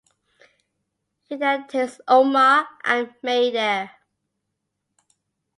He then takes Omar and May there.